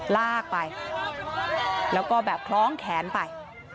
ลากไปแล้วก็แบบคล้องแขนไป